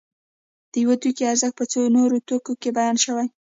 د یو توکي ارزښت په څو نورو توکو کې بیان شوی